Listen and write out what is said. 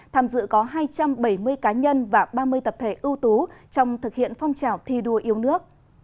tham dự có hai trăm bảy mươi cá nhân và ba mươi tập thể ưu tú trong thực hiện phong trào thi đua yêu nước